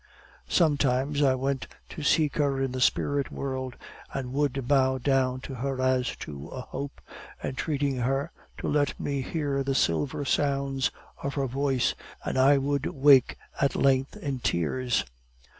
Sometimes I went to seek her in the spirit world, and would bow down to her as to a hope, entreating her to let me hear the silver sounds of her voice, and I would wake at length in tears.